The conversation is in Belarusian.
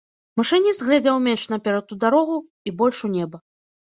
Машыніст глядзеў менш наперад у дарогу і больш у неба.